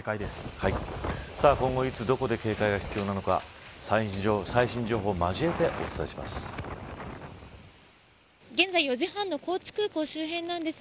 今後いつどこで警戒が必要なのか最新情報を交えてお伝えします。